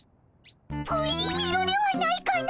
プリン色ではないかの！